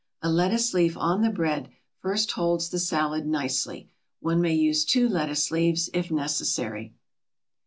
A lettuce leaf on the bread first holds the salad nicely. One may use two lettuce leaves if necessary.